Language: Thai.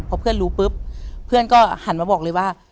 พอเพื่อนรู้ปุ๊บเพื่อนก็หันมาบอกเลยว่า